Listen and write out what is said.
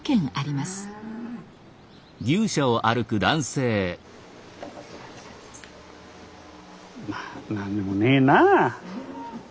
まあ何にもねえなあ。